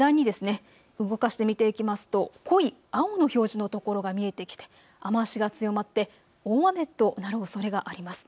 動かして見ていきますと濃い青の表示の所が見えてきて雨足が強まって大雨となるおそれがあります。